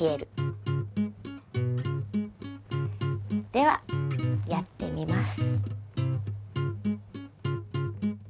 ではやってみます。